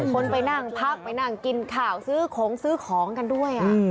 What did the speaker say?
คนไปนั่งพักไปนั่งกินข้าวซื้อของซื้อของกันด้วย